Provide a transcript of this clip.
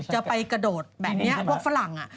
จะไปกระโดดแบบนี้พวกฝรั่ง